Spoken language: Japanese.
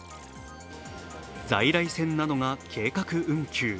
在来線などが計画運休。